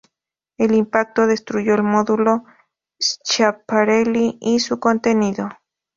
El impacto destruyó el módulo Schiaparelli y su contenido.